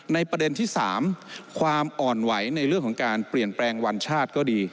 ประเด็นที่๓ความอ่อนไหวในเรื่องของการเปลี่ยนแปลงวันชาติก็ดี